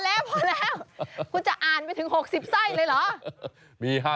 แล้วพอแล้วคุณจะอ่านไปถึง๖๐ไส้เลยเหรอ